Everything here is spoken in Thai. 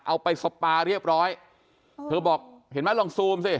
เอาไปสปาเรียบร้อยเธอบอกเห็นไหมลองซูมสิ